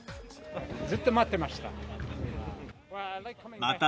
ずっと待ってました。